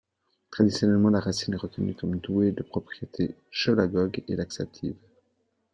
Traditionnellement, la racine est reconnue comme douée de propriétés cholagogues et laxatives.